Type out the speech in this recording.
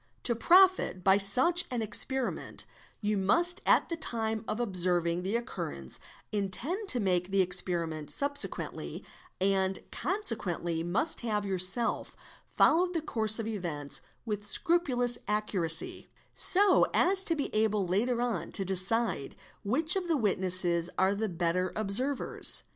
To profit by such an experiment, you must at the time of observing the occurrence intend to make the experiment subsequently ; and consequently must have yourself followed the course of events with aul scrupulous accuracy; so as to be able later on to decide which of the witnesses are the better observers.